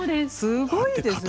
すごいですね。